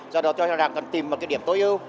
do đó tôi cho rằng cần tìm một cái điểm tối ưu